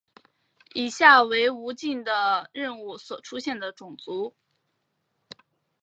以下为无尽的任务所出现的种族。